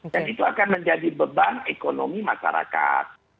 dan itu akan menjadi beban ekonomi masyarakat